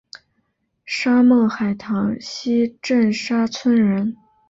沙孟海塘溪镇沙村人。